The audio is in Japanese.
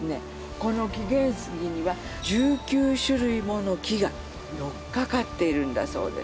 この紀元杉には１９種類もの木がよっかかっているんだそうです